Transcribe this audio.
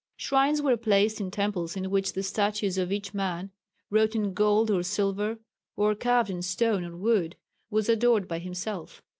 Shrines were placed in temples in which the statue of each man, wrought in gold or silver, or carved in stone or wood, was adored by himself.